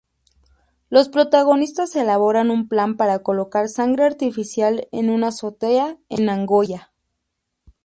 Los protagonistas elaboran un plan para colocar sangre artificial en una azotea en Nagoya.